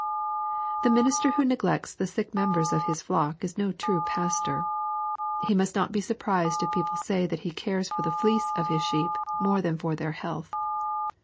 — The minis ter who neglects the sick members of his flock is no true pastor. He must not be surprised if people say that he cares for the fleece of his sheep more than for their health.